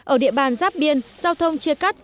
ở địa bàn giáp biên giao thông chia cắt